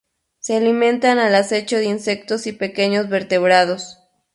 Se alimentan al acecho de insectos y pequeños vertebrados.